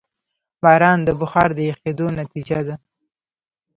باران د بخار د یخېدو نتیجه ده.